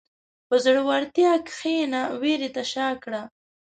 په زړورتیا کښېنه، وېرې ته شا کړه.